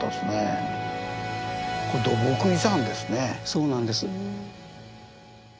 そうなんです。